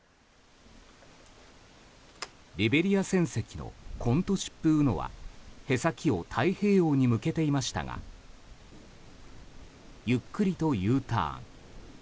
リベリア船籍の「コントシップウノ」は舳先を太平洋に向けていましたがゆっくりとＵターン。